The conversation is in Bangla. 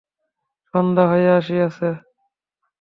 সন্ধ্যা হইয়া আসিয়াছে।